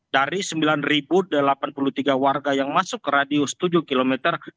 dari sembilan delapan puluh tiga warga yang masuk ke radius tujuh km